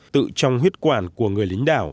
tự trong huyết quản của người lính đảo